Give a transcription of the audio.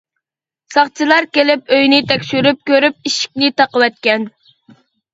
ساقچىلار كېلىپ ئۆينى تەكشۈرۈپ كۆرۈپ ئىشىكنى تاقىۋەتكەن.